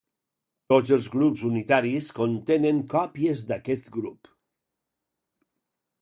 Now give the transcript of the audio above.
Tots els grups unitaris contenen còpies d'aquest grup.